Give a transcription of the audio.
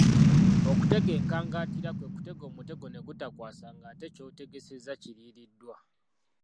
Okutega enkangantira kwe kutega omutego ne gutakwasa ngate ne ky'otegesezza kiriiriddwa.